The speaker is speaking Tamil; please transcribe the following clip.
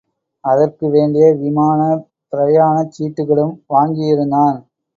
அதற்கு வேண்டிய விமானப் பிரயாணச் சீட்டுகளும் வாங்கியிருந்தான்.